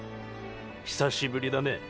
久しぶりだね。